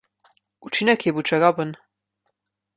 Učinek je bil čaroben.